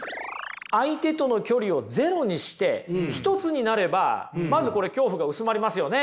相手との距離をゼロにして一つになればまずこれ恐怖が薄まりますよね。